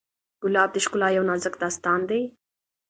ګلاب د ښکلا یو نازک داستان دی.